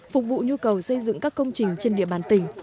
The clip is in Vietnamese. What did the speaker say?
phục vụ nhu cầu xây dựng các công trình trên địa bàn tỉnh